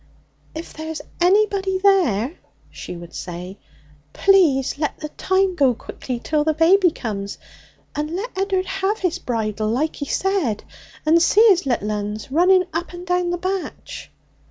'If there's anybody there,' she would say, 'please let the time go quickly till the baby comes, and let Ed'ard have his bridal like he said, and see his little uns running up and down the batch.'